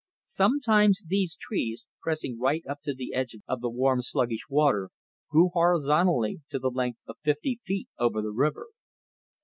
Sometimes these trees, pressing right up to the edge of the warm sluggish water, grew horizontally to the length of fifty feet over the river.